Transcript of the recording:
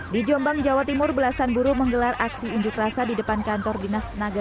di jombang jawa timur belasan buruh menggelar aksi unjuk rasa di depan kantor dinas tenaga